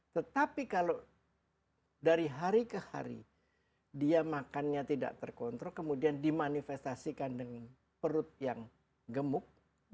tetapi kalau dari hari ke hari dia makannya tidak terkontrol kemudian dimanifestasikan dengan perut yang gemuk